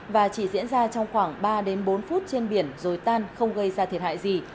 và chỉ diễn ra trong khoảng ba đến bốn phút trên biển rồi tan không gây ra thiệt hại gì